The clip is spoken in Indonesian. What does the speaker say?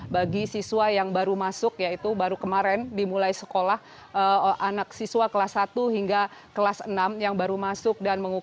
bagi siswa yang baru masuk yaitu baru kemarin dimulai sekolah anak siswa kelas satu hingga kelas enam yang baru masuk